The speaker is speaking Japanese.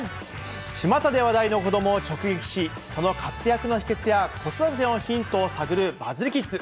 ちまたで話題の子どもを直撃し、その活躍の秘けつや子育てのヒントを探るバズリキッズ。